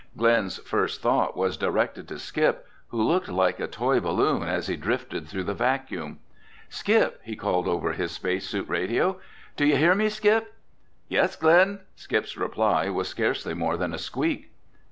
Glen's first thought was directed to Skip, who looked like a toy balloon as he drifted through the vacuum. "Skip!" he called over his space suit radio. "Do you hear me, Skip?" "Yeah, Glen," Skip's reply was scarcely more than a squeak.